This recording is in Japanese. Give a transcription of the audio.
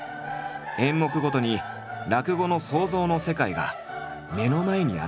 演目ごとに落語の想像の世界が目の前に現れる。